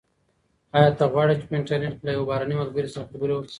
ایا ته غواړې چي په انټرنیټ کي له یو بهرني ملګري سره خبرې وکړې؟